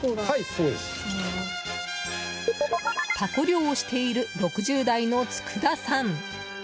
タコ漁をしている６０代の附田さん。